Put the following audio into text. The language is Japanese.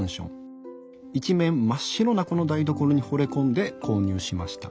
一面真っ白なこの台所にほれ込んで購入しました。